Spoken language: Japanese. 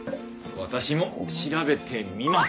私も調べてみます！